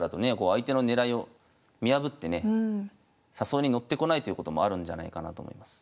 相手の狙いを見破ってね誘いに乗ってこないということもあるんじゃないかなと思います。